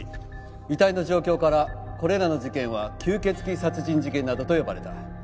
遺体の状況からこれらの事件は吸血鬼殺人事件などと呼ばれた。